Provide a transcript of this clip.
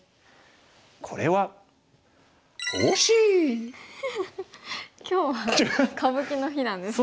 これは今日は歌舞伎の日なんですね。